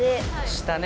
下ね。